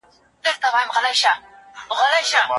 ځینې کسان فکر کوي ګازرې لید پیاوړی کوي.